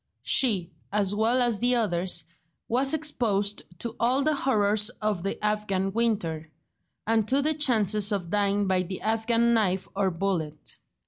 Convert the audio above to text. She, as well as the others, was exposed to all the horrors of the Afghan winter, and to the chances of dying by the Afghan knife or bullet.